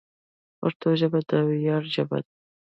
پښتو ژبه د ویاړ ژبه ده.